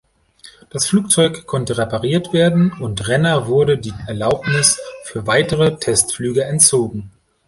Das Flugzeug konnte repariert werden und Renner wurde die Erlaubnis für weitere Testflüge entzogen.